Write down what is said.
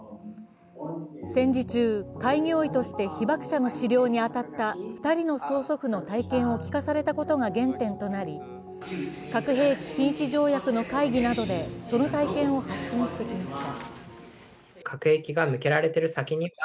戦時中、開業医として被爆者の治療に当たった２人の曽祖父の体験を聞かされたことが原点となり核兵器禁止条約の会議などでその体験を発信してきました。